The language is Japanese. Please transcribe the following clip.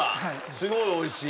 すごい美味しい。